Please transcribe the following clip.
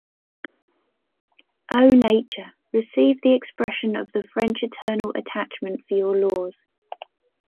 O Nature, receive the expression of the French eternal attachment for your laws.